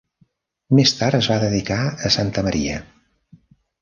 Més tard es va dedicar a Santa Maria.